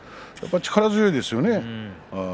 力強いですね。